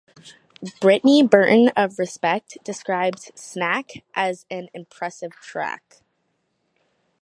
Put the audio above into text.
Brittany Burton of "Respect" described "Snack" as an "impressive track".